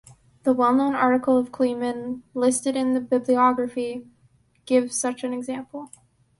The well-known article of Kleiman, listed in the bibliography, gives such an example.